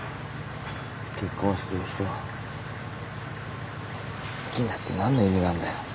結婚してる人好きになって何の意味があんだよ。